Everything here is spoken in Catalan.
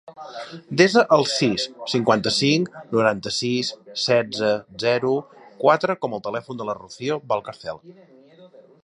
Desa el sis, cinquanta-cinc, noranta-sis, setze, zero, quatre com a telèfon de la Rocío Valcarcel.